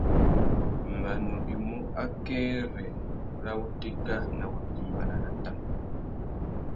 Mbanu i mú akêrê râ wutéka nà wutimbāna na tang.